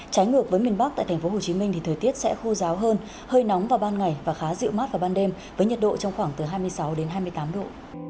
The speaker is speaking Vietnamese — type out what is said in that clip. trái ngược với miền bắc tại tp hcm thì thời tiết sẽ khô ráo hơn hơi nóng vào ban ngày và khá dịu mát vào ban đêm với nhiệt độ trong khoảng từ hai mươi sáu đến hai mươi tám độ